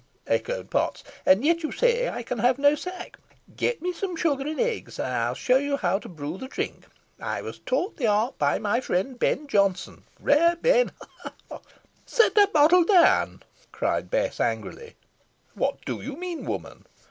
echoed Potts, "and yet you say I can have no sack. Get me some sugar and eggs, and I'll show you how to brew the drink. I was taught the art by my friend, Ben Jonson rare Ben ha, ha!" "Set the bottle down," cried Bess, angrily. "What do you mean, woman!"